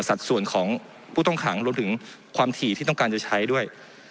สัดส่วนของผู้ต้องขังรวมถึงความถี่ที่ต้องการจะใช้ด้วย